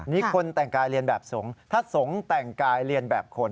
นี่คนแต่งกายเรียนแบบสงฆ์ถ้าสงฆ์แต่งกายเรียนแบบคน